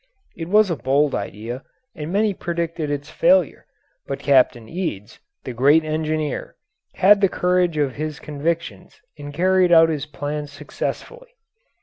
It was a bold idea, and many predicted its failure, but Captain Eads, the great engineer, had the courage of his convictions and carried out his plans successfully.